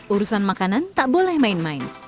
urusan makanan tak boleh main main